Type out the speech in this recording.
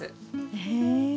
へえ。